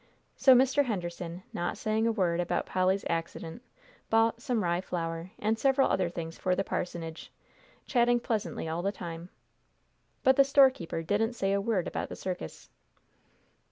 So Mr. Henderson, not saying a word about Polly's accident, bought some rye flour, and several other things for the parsonage, chatting pleasantly all the time. But the storekeeper didn't say a word about the circus.